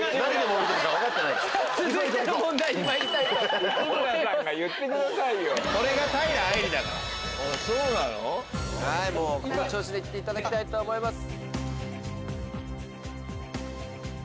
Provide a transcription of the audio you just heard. もうこの調子で行っていただきたいと思います。